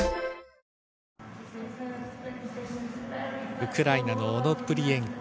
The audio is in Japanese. ウクライナのオノプリエンコ。